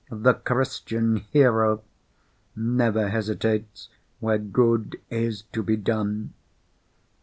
The Christian Hero never hesitates where good is to be done.